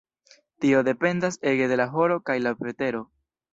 Tio dependas ege de la horo kaj la vetero.